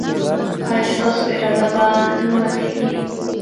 ایا ستاسو اراده به نه ماتیږي؟